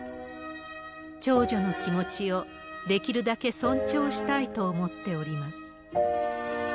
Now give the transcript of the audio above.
長女の気持ちをできるだけ尊重したいと思っております。